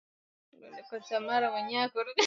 mpaka kufika pale juu kabisa Meru Kubwa